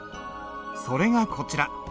それがこちら。